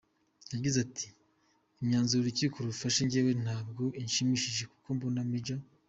Yagize ati “Imyanzuro urukiko rufashe njyewe ntabwo inshimishije kuko mbona Maj.